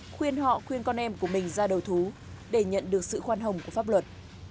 khuyên họ khuyên con em của mình ra đầu thú để nhận được sự khoan hồng của pháp luật